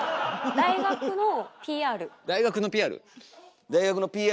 大学のＰＲ？